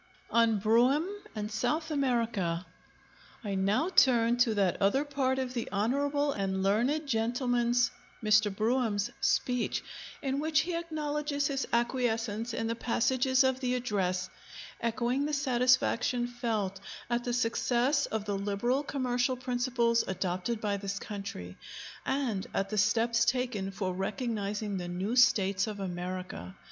ON BROUGHAM AND SOUTH AMERICA I now turn to that other part of the honorable and learned gentleman's [Mr. Brougham's] speech; in which he acknowledges his acquiescence in the passages of the address, echoing the satisfaction felt at the success of the liberal commercial principles adopted by this country, and at the steps taken for recognizing the new States of America.